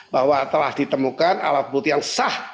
bahwa telah ditemukan alat bukti yang sah